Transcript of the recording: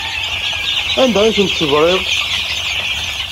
Anda ay ten-tedriḍ?